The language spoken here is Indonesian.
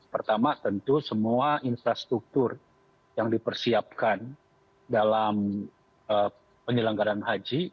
pertama tentu semua infrastruktur yang dipersiapkan dalam penyelenggaraan haji